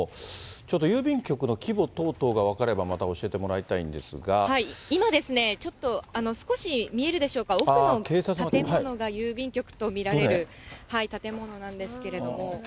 ちょっと郵便局の規模等々が分かればまた教えてもらいたいんです今ですね、ちょっと、少し見えるでしょうか、奥の建物が郵便局と見られる建物なんですけれども。